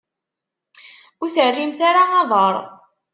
Ur terrimt ara aḍar.